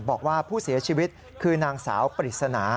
บอกว่าผู้เสียชีวิตคือนางสาวปริศนา